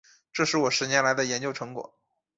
这是我十年来的研究成果